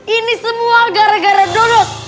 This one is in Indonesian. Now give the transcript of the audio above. ini semua gara gara duduk